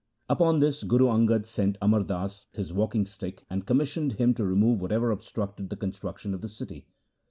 Upon this Guru Angad sent Amar Das his walking stick and commissioned him to remove whatever obstructed the construction of the city.